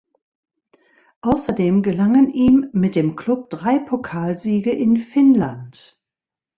Außerdem gelangen ihm mit dem Klub drei Pokalsiege in Finnland.